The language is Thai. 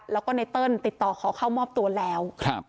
แล้วก็ไนเติ้ลติดต่อขอเข้ามอบตัวแล้ว